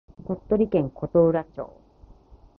鳥取県琴浦町